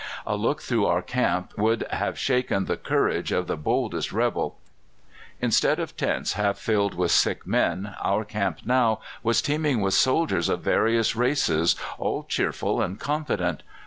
A look through our camp would have shaken the courage of the boldest rebel. Instead of tents half filled with sick men, our camp now was teeming with soldiers of various races, all cheerful and confident.